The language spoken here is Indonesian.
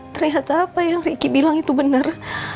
terlihat apa yang ricky bilang itu benar